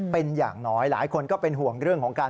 เป็นอย่างน้อยหลายคนก็เป็นห่วงเรื่องของการ